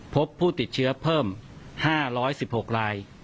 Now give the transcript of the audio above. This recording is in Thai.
พบผู้ติดเชื้อเพิ่ม๕๑๖ราย